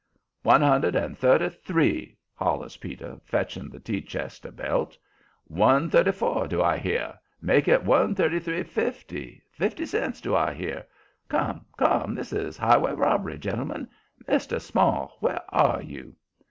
"One hundred and thirty three" hollers Peter, fetching the tea chest a belt. "One thirty four do I hear? Make it one thirty three fifty. Fifty cents do I hear? Come, come! this is highway robbery, gentlemen. Mr. Small where are you?"